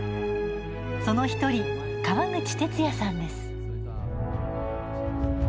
その１人、川口哲哉さんです。